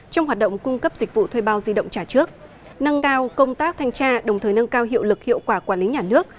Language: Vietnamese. trong hoạt động cung cấp dịch vụ thuê bao di động trả trước nâng cao công tác thanh tra đồng thời nâng cao hiệu lực hiệu quả quản lý nhà nước